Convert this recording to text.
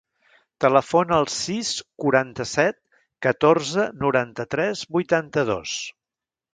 Telefona al sis, quaranta-set, catorze, noranta-tres, vuitanta-dos.